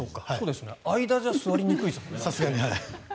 間じゃ座りにくいですもんね。